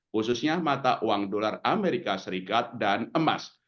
khususnya mata uang dolar as dan emas